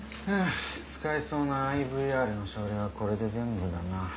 フゥ使えそうなＩＶＲの症例はこれで全部だな。